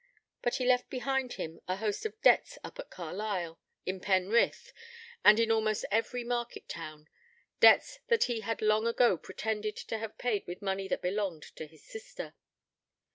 But he left behind him a host of debts up at Carlisle, in Penrith, and in almost every market town debts that he had long ago pretended to have paid with money that belonged to his sister.